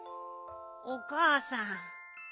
おかあさん。